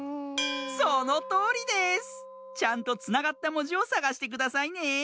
そのとおりです！ちゃんとつながったもじをさがしてくださいね。